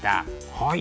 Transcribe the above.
はい。